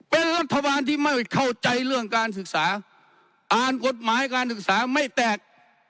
เป็นรัฐบาลที่ไม่เข้าใจเรื่องการศึกษาอ่านกฎหมายการศึกษาไม่แตก